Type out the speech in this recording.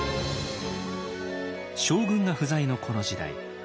将軍が不在のこの時代。